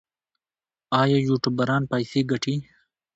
آیا یوټیوبران پیسې ګټي؟